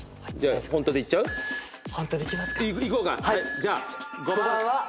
じゃあ。